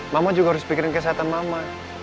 mama juga harus pikirin kesehatan mama